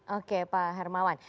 oke pak hermawan